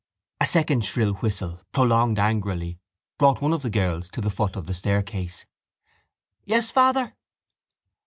A second shrill whistle, prolonged angrily, brought one of the girls to the foot of the staircase. —Yes, father?